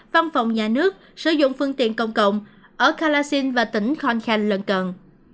văn phòng nhà nước sử dụng phương tiện công cộng ở kalasin và tỉnh khon khang lần cận